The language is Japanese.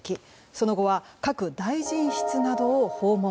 その後は各大臣室などを訪問。